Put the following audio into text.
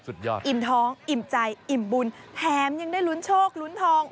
สุดยอดอิ่มท้องอิ่มใจอิ่มบุญแถมยังได้ลุ้นโชคลุ้นทอง